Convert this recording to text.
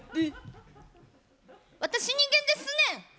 私人間ですねん！